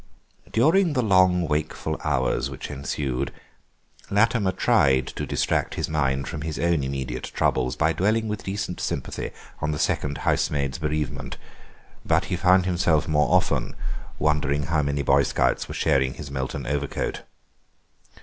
During the long wakeful hours which ensued Latimer tried to distract his mind from his own immediate troubles by dwelling with decent sympathy on the second housemaid's bereavement, but he found himself more often wondering how many Boy Scouts were sharing his Melton overcoat.